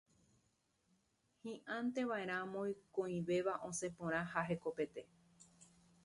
Hiʼãitevaʼerã mokõivéva osẽ porã ha hekopete.